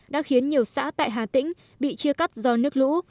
đã khiến nhiều xã tại hà tĩnh bị chia cắt do nước lũ